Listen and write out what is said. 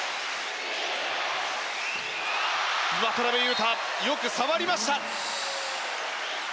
渡邊雄太よく触りました。